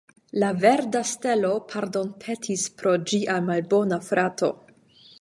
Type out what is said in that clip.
La verda stelo pardonpetis pro ĝia malbona frato.